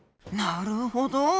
なるほど。